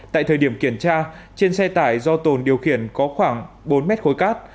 tại thời điểm kiểm tra trên xe tải do tồn điều khiển có khoảng bốn mét khối cát